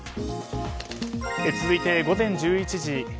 続いて午前１１時。